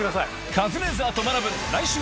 『カズレーザーと学ぶ。』